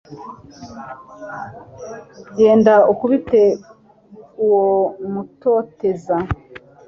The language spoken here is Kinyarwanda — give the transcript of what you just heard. genda ukubite uwo mutoteza